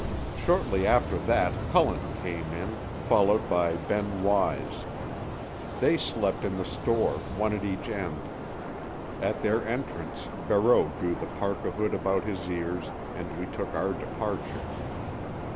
Shortly after that Cullen came in, followed by Ben Wise. They slept in the store, one at each end. At their entrance Barreau drew the parka hood about his ears and we took our departure.